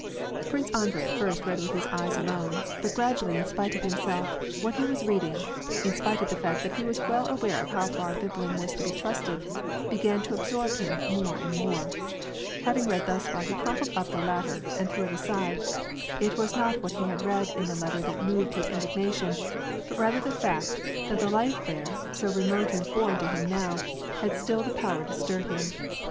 Prince Andrei at first read with his eyes alone, but gradually, in spite of himself, what he was reading — in spite of the fact that he was well aware of how far Biblin was to be trusted — began to absorb him more and more. Having read thus far he crumpled up the latter and threw it aside. It was not what he had read in the letter that moved his indignation, but rather the fact that the life there, so remote and foreign to him now, had still the power to stir him.